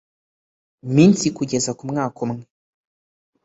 minsi kugeza ku mwaka umwe